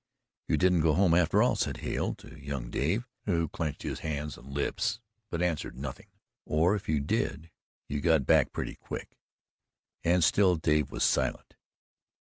"You didn't go home, after all," said Hale to young Dave, who clenched his hands and his lips but answered nothing; "or, if you did, you got back pretty quick." And still Dave was silent.